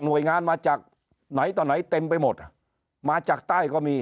โดยงานมาจากไหนต่อไหนเต็มไปหมดอ่ะมาจากใต้ก็มี